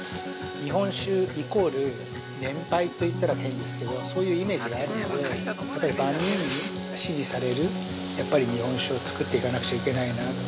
◆日本酒イコール年配といったら変ですけどそういうイメージがあるのでやっぱり万人に支持される日本酒を造っていかなくちゃいけないなと。